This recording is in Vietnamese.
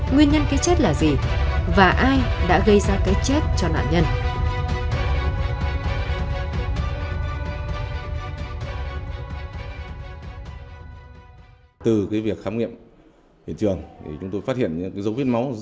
nguyên nhân cái chết là gì và ai đã gây ra cái chết cho nạn nhân